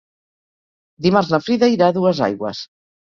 Dimarts na Frida irà a Duesaigües.